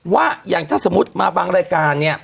ว่าอย่างถ้าสมมุติมาบางรายการเนี่ย